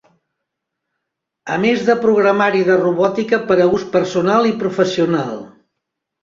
A més de programari de robòtica per a ús personal i professional.